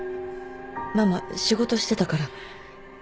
ママ仕事してたから。